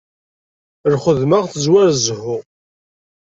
Lxedma tezwar zzhu.